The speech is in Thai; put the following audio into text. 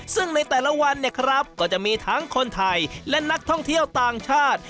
ซึ่งในแต่ละวันเนี่ยครับก็จะมีทั้งคนไทยและนักท่องเที่ยวต่างชาติ